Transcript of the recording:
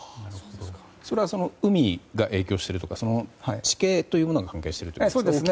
それは海が影響しているとか地形というものが関係していますか？